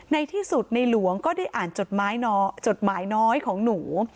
ในที่สุดในหลวงก็ได้อ่านจดหมายน้อยของหนู